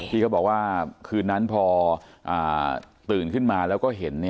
ที่เขาบอกว่าคืนนั้นพอตื่นขึ้นมาแล้วก็เห็น